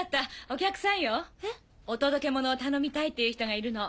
お届け物を頼みたいっていう人がいるの。